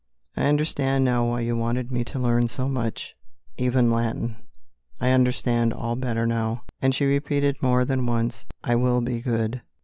I understand now why you wanted me to learn so much, even Latin.... I understand all better now." And she repeated more than once, "I will be good."